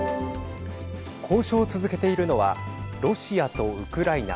交渉を続けているのはロシアとウクライナ